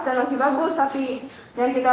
dan masih bagus tapi yang kita